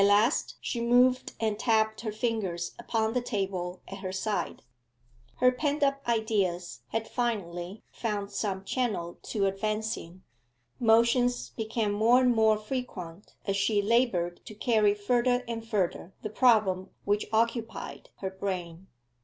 At last she moved and tapped her fingers upon the table at her side. Her pent up ideas had finally found some channel to advance in. Motions became more and more frequent as she laboured to carry further and further the problem which occupied her brain.